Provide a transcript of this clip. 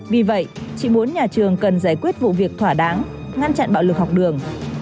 vì vậy chị muốn nhà trường cần giải quyết vụ việc thỏa đáng ngăn chặn bạo lực học đường